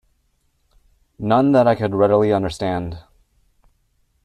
None that I could readily understand!